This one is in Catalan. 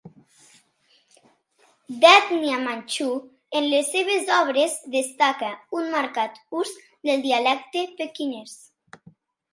D'ètnia Manxú, en les seves obres destaca un marcat ús del dialecte pequinès.